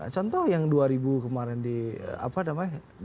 contoh yang dua ribu kemarin di apa namanya